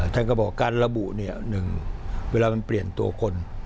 ท่านก็บอกการระบุ๑เวลามันเปลี่ยนตัวคน